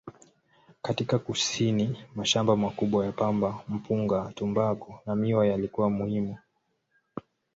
Katika kusini, mashamba makubwa ya pamba, mpunga, tumbaku na miwa yalikuwa muhimu.